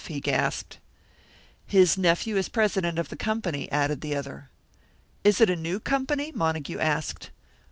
he gasped. "His nephew is president of the company," added the other. "Is it a new company?" Montague asked.